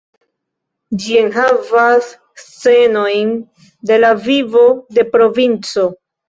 Ĝi enhavas scenojn de la vivo de provinco.